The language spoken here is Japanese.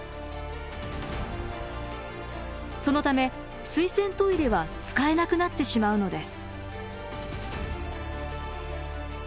そのため水洗トイレは使えなくなってしまうのです。